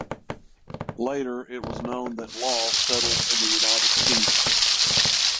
Later it was known that Law settled in the United Kingdom.